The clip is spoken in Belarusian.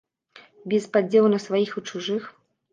Без падзелу на сваіх і чужых.